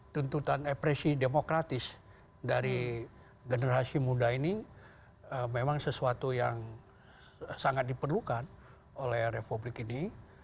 tuntutan depresi demokratis dari generasi muda ini memang sesuatu yang sangat diperlukan oleh republik ini